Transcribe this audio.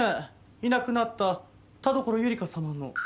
いなくなった田所友梨華様の。